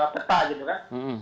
peta gitu kan